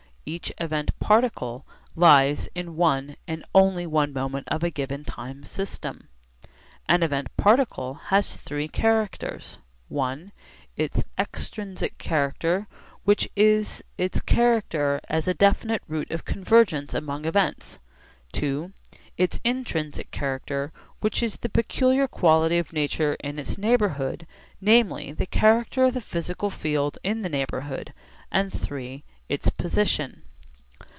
Each event particle lies in one and only one moment of a given time system. An event particle has three characters: (i) its extrinsic character which is its character as a definite route of convergence among events, (ii) its intrinsic character which is the peculiar quality of nature in its neighbourhood, namely, the character of the physical field in the neighbourhood, and (iii) its position.